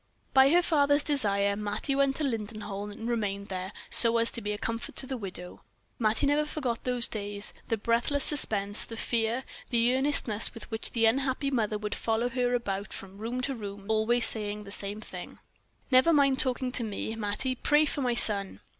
By her father's desire, Mattie went to Lindenholm, and remained there, so as to be a comfort to the widow. Mattie never forgot those days, the breathless suspense, the fear, the earnestness with which the unhappy mother would follow her about from room to room, saying always the same thing: "Never mind talking to me, Mattie; pray for my son."